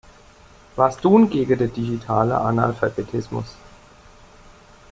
Was tun gegen den digitalen Analphabetismus?